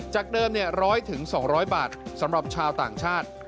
จากเดิม๑๐๐๒๐๐บาทสำหรับชาวต่างชาติ